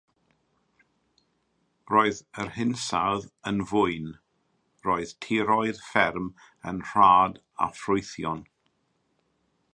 Roedd yr hinsawdd yn fwyn; roedd tiroedd fferm yn rhad a ffrwythlon.